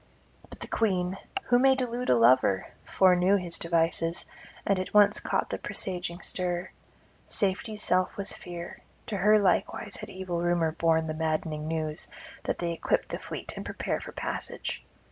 But the Queen who may delude a lover? foreknew his devices, and at once caught the presaging stir. Safety's self was fear; to her likewise had evil Rumour borne the maddening news that they equip the fleet and prepare [300 334]for passage.